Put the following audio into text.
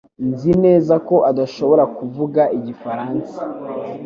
Nzi neza ko adashobora kuvuga igifaransa